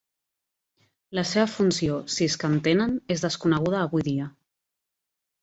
La seva funció, si és que en tenen, és desconeguda avui dia.